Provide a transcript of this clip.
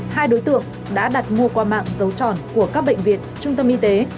hai đối tượng đã đặt mua qua mạng dấu tròn của các bệnh viện trung tâm y tế